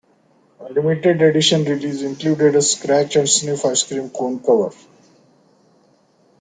A limited edition release included a scratch and sniff ice cream cone cover.